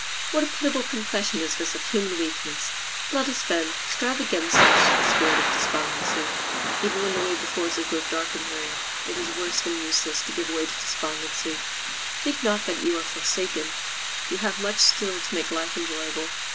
What a pitiable confession is this of human weakness! Let us, then, strive against such a spirit of despondency. Even when the way before us is both dark and dreary it still is worse than useless to give way to despondency. Think not that you are forsaken; you have much still to make life enjoyable.